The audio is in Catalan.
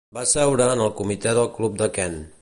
Va seure en el comitè del club de Kent.